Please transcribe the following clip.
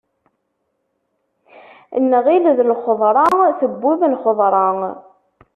Nɣil d lxeḍra tewwim lxeḍra.